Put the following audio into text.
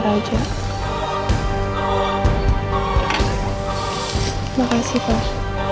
terima kasih pak